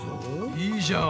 いいじゃん。